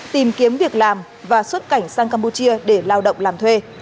tìm kiếm việc làm và xuất cảnh sang campuchia để lao động làm thuê